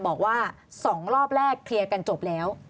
บอกว่า๒รอบแรกเคลียร์กันจบแล้ว